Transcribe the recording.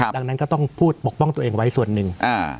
ดังนั้นก็ต้องพูดปกป้องตัวเองไว้ส่วนหนึ่ง